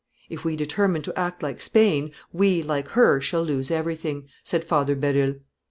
"If we determine to act like Spain, we, like her, shall lose everything," said Father Berulle.